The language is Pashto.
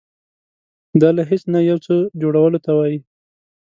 دا له هیڅ نه یو څه جوړولو ته وایي.